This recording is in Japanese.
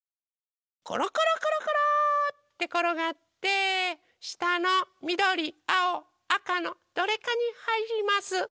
コロコロコロコローってころがってしたのみどりあおあかのどれかにはいります。